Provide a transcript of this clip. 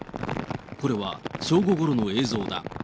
これは正午ごろの映像だ。